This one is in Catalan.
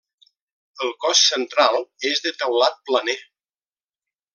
El cos central és de teulat planer.